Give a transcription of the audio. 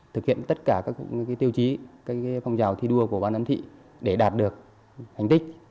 thực hiện tất cả các tiêu chí phong trào thi đua của ban giám thị để đạt được thành tích